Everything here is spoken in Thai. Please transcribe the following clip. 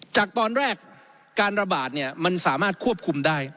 จากตอนแรกการระบาดเนี่ยมันสามารถควบคุมได้